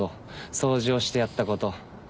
掃除をしてやったこと。